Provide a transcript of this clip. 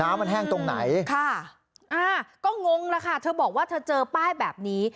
น้ำมันแห้งตรงไหนค่ะอ่าก็งงแล้วค่ะเธอบอกว่าเธอเจอป้ายแบบนี้